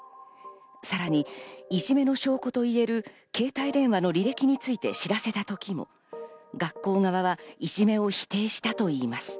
さらにいじめの証拠といえる携帯電話の履歴について知らせた時も学校側はいじめを否定したといいます。